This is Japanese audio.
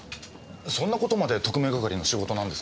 そんなことまで特命係の仕事なんですか？